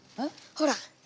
ほら。